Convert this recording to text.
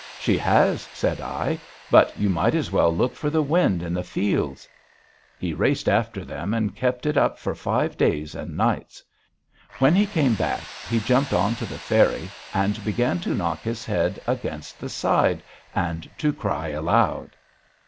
'She has,' said I, 'but you might as well look for the wind in the fields.' He raced after them and kept it up for five days and nights. When he came back he jumped on to the ferry and began to knock his head against the side and to cry aloud.